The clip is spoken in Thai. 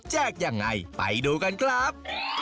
แจกอย่างไรไปดูกันครับ